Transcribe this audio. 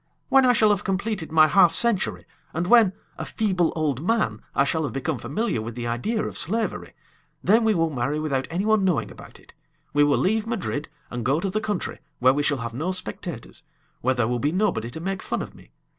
When I shall have completed my half century, and when, a feeble old man, I shall have become familiar with the idea of slavery, then we will marry without anyone knowing about it. We will leave Madrid, and go to the country, where we shall have no spectators, where there will be nobody to make fun of me.